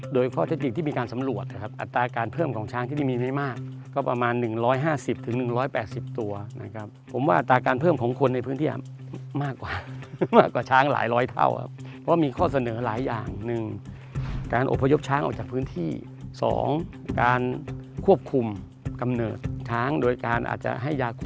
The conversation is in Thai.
โดยข้อเทคนิคที่มีการสำรวจอะครับอัตราการเพิ่มของช้างที่นี่มีไม่มากก็ประมาณหนึ่งร้อยห้าสิบถึงหนึ่งร้อยแปดสิบตัวนะครับผมว่าอัตราการเพิ่มของคนในพื้นที่อะมากกว่ามากกว่าช้างหลายร้อยเท่าอะเพราะมีข้อเสนอหลายอย่างหนึ่งการอพยพช้างออกจากพื้นที่สองการควบคุมกำเนิดช้างโดยการอาจจะให้ยาค